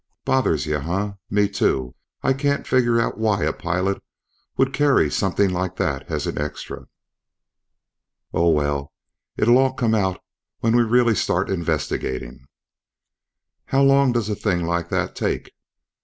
"Bothers you huh? Me too. I can't figure out why a pilot would carry something like that as an extra. Oh, well, it'll all come out when we really start investigating." "How long does a thing like that take?"